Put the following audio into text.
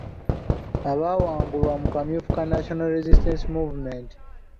Abaawangulwa mu kamyufu ka National Resistance Movement.